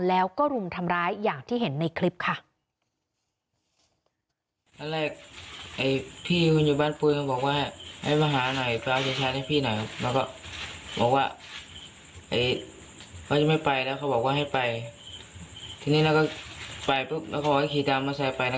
แล้วก็รุมทำร้ายอย่างที่เห็นในคลิปค่ะ